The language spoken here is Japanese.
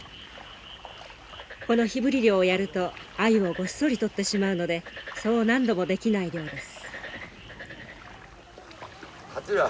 この火ぶり漁をやるとアユをごっそり取ってしまうのでそう何度もできない漁です。